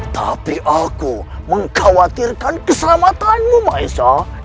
tapi aku mengkhawatirkan keselamatanmu maeso